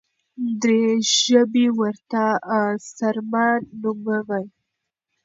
دري ژبي ورته سرمه نوموي.